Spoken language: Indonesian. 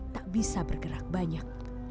tak bisa bergerak banyak